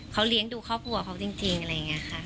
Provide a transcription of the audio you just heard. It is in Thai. เขาเลี้ยงดูครอบครัวเขาจริงอะไรอย่างนี้ค่ะ